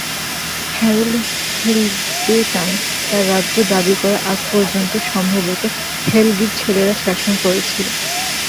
Harold হিল্ডেটান্ড তার রাজ্য দাবি করার আগ পর্যন্ত সম্ভবত হেলগির ছেলেরা শাসন করেছিল।